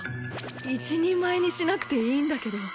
一人前にしなくていいんだけど。